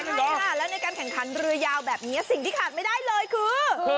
แล้วในการแข่งขันเรือยาวแบบนี้สิ่งที่ขาดไม่ได้เลยคือ